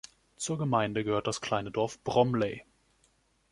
Zur Gemeinde gehört das kleine Dorf Bromley.